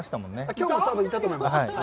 きょうも多分いたと思います。